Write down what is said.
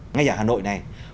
ngay ở hà nội này